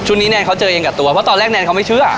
นี้แนนเขาเจอเองกับตัวเพราะตอนแรกแนนเขาไม่เชื่อ